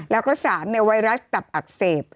แล้วก็สามเนี่ยไวรัสตับอักเสบ